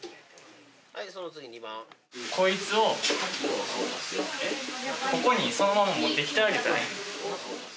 こいつをここにそのまま持ってきてあげたらいい。